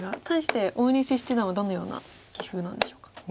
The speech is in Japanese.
対して大西七段はどのような棋風なんでしょうか？